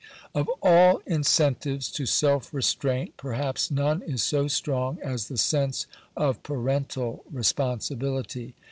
Of all incentives to self restraint, perhaps none is so strong as the sense of parental responsibility.